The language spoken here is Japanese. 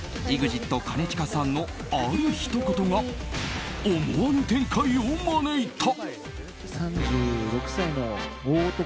兼近さんのあるひと言が思わぬ展開を招いた。